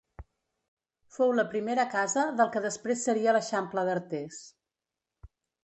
Fou la primera casa del que després seria l'eixample d'Artés.